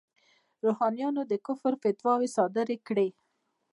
روحانیونو د کفر فتواوې صادرې کړې.